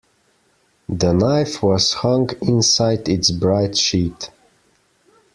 The knife was hung inside its bright sheath.